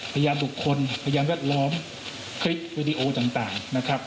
พยายามบุคคลพยายามรัดล้อมคลิปจ่างต่างนะครับ